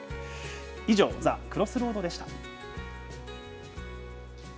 以上、ＴｈｅＣｒｏｓｓｒｏａｄでした。